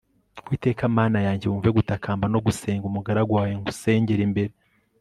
uwiteka mana yanjye, wumve gutakamba no gusenga umugaragu wawe nkusengera imbere